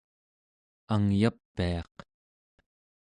angyapiaq